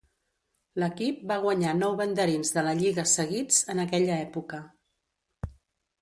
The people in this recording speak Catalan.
L'equip va guanyar nou banderins de la lliga seguits en aquella època.